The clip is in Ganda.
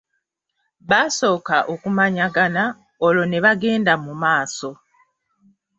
Basooka okumanyagana olwo ne bagenda mu maaso.